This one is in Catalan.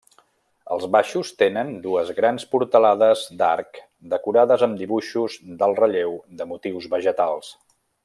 Els baixos tenen dues grans portalades d'arc decorades amb dibuixos d'alt relleu de motius vegetals.